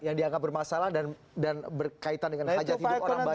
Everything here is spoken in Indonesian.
yang dianggap bermasalah dan berkaitan dengan hajat hidup orang banyak